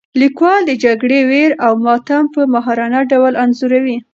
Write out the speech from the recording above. لیکوال د جګړې ویر او ماتم په ماهرانه ډول انځوروي.